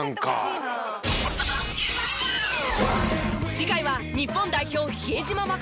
次回は日本代表比江島慎。